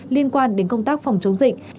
liên quan đến công tác phòng chống dịch